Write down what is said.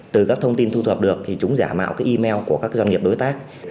từ các thông tin thu thập được thì chúng giả mạo cái email của các doanh nghiệp đối tác